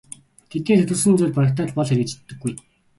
Тэдний төлөвлөсөн зүйл барагтай л бол хэрэгждэггүй.